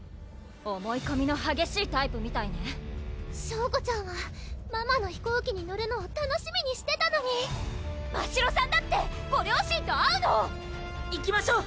思いこみのはげしいタイプみたいね翔子ちゃんはママの飛行機に乗るのを楽しみにしてたのにましろさんだってご両親と会うのを行きましょう！